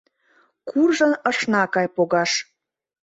Куржын ышна кай погаш.